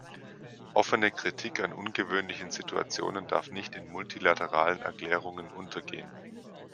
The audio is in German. Offene Kritik an ungewöhnlichen Situationen darf nicht in multilateralen Erklärungen untergehen.